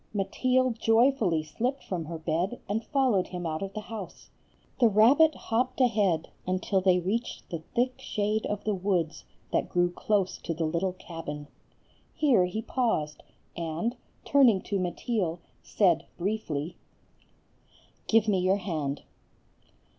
Mateel joyfully slipped from her bed and followed him out of the house. The rabbit hopped ahead until they reached the thick shade of the woods that grew close to the little cabin. Here he paused, and, turning to Mateel, said briefly,— "Give me your hand."